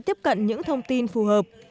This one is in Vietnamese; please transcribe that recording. tiếp cận những thông tin phù hợp